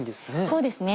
そうですね